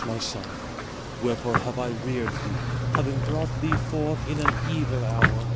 my son, wherefore have I reared thee, having brought thee forth in an evil hour.